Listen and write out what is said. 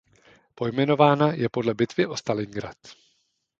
Pojmenována je podle bitvy o Stalingrad.